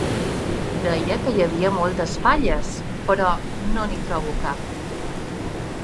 Deia que hi havia moltes falles, però no n'hi trobo cap.